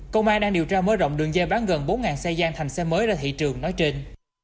công an đang điều tra mới rộng đường dây bán gần bốn xe gian thành xe mới ra thị trường nói trên